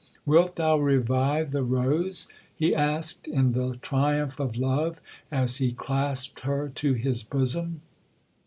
'Wilt thou revive the rose?' he asked, in the triumph of love, as he clasped her to his bosom.